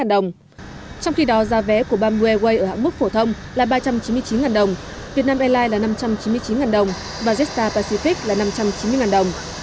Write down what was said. trong khi đó giá vé của bamboo airways ở hãng mức phổ thông là ba trăm chín mươi chín đồng việt nam airlines là năm trăm chín mươi chín đồng và jetstar pacific là năm trăm chín mươi đồng